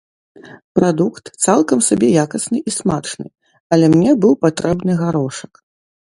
Прадукт цалкам сабе якасны і смачны, але мне быў патрэбны гарошак.